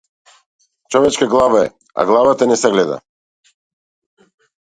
Човечка глава е, а главата не се гледа.